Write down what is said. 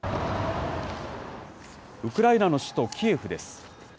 ウクライナの首都キエフです。